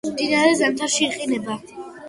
მდინარე ზამთარში იყინება.